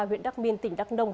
huyện đắc minh tỉnh đắc nông